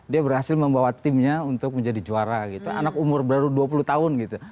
dia berhasil membawa timnya untuk menjadi juara gitu anak umur baru dua puluh tahun gitu